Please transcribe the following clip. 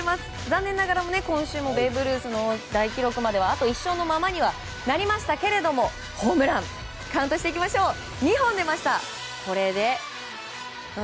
残念ながら今週もベーブ・ルースの大記録まではあと１勝のままにはなりましたけれどもホームランカウントしていきましょう２本出ました。